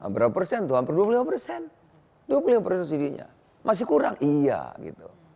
berapa persen tuh hampir dua puluh lima persen dua puluh lima persen subsidinya masih kurang iya gitu